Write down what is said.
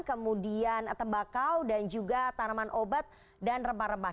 kemudian tembakau dan juga tanaman obat dan rempah rempah